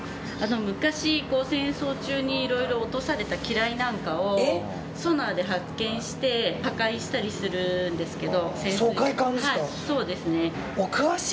昔、戦争中にいろいろ落とされた機雷なんかをソナーで発見して破壊したりするんですけど。